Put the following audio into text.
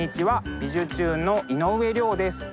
「びじゅチューン！」の井上涼です。